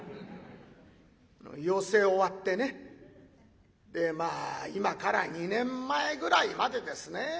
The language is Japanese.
寄席終わってねでまあ今から２年前ぐらいまでですね。